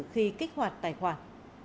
khi kích hoạt tài khoản